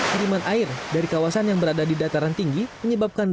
kiriman air dari kawasan yang berada di dataran tinggi menyebabkan banjir